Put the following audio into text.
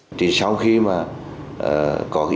bộ giao thông vận tải